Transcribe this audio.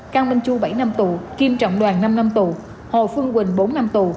cao minh chu bảy năm tù kim trọng đoàn năm năm tù hồ phương quỳnh bốn năm tù